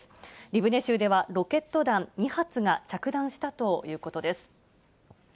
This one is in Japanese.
リブネ州ではロケット弾２発が着弾したということです。